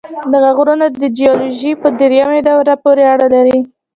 دا غرونه د جیولوژۍ په دریمې دورې پورې اړه لري.